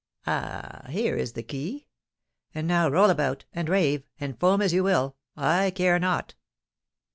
—Ah! here is the key! And now roll about, and rave, and foam as you will—I care not!"